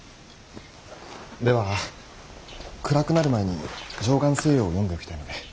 では暗くなる前に「貞観政要」を読んでおきたいので。